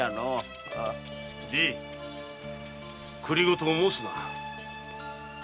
じぃ繰り言を申すな。